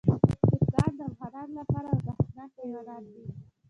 چرګان د انسانانو لپاره ارزښتناک حیوانات دي.